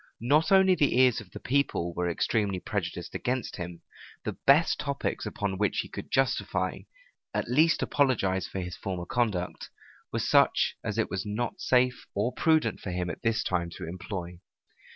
Not only the ears of the people were extremely prejudiced against him; the best topics upon which he could justify, at least apologize for his former conduct, were such as it was not safe or prudent for him at this time to employ.